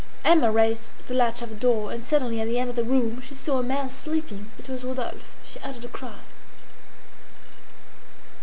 Emma raised the latch of a door, and suddenly at the end of the room she saw a man sleeping. It was Rodolphe. She uttered a cry.